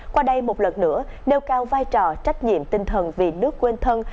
qua đây một lần nữa nêu cao vai trò trách nhiệm tinh thần vì nước quên thân